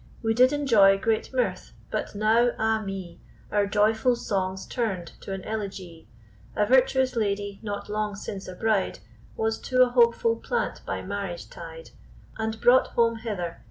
We did enjoy great mirth; but now, ah me! Our joyful song's turn'd to an elegie. A virtuous lady, not long since a bride, Was to a hopeful plant by marriage tied, And brought home hither.